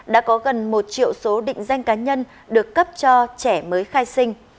đã có gần một triệu số định danh cá nhân được cấp cho trẻ mới khai sinh